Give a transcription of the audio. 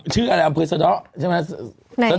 ชื่ออะไรครับอำเภยซาด๋าใช่ไหมฮะ